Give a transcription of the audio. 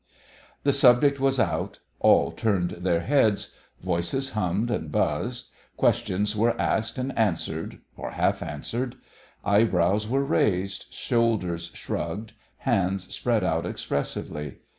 The subject was out: all turned their heads; voices hummed and buzzed; questions were asked and answered or half answered; eyebrows were raised, shoulders shrugged, hands spread out expressively.